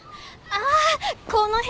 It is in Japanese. ああ。